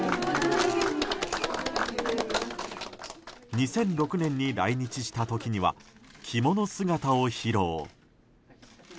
２００６年に来日した時には着物姿を披露。